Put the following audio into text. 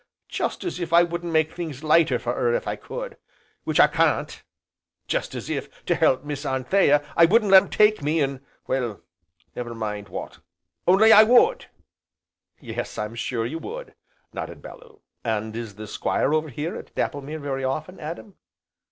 Jest as if I wouldn't make things lighter for 'er if I could, which I can't; jest as if, to help Miss Anthea, I wouldn't let 'em take me an' well, never mind what, only I would!" "Yes, I'm sure you would," nodded Bellew. "And is the Squire over here at Dapplemere very often, Adam?"